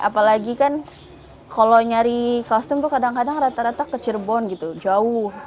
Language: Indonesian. apalagi kan kalau nyari kostum tuh kadang kadang rata rata ke cirebon gitu jauh